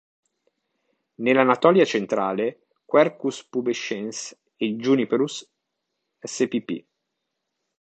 Nell'Anatolia centrale, "Quercus pubescens" e "Juniperus" spp.